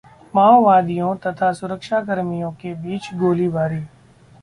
माओवादियों तथा सुरक्षाकर्मियों के बीच गोलीबारी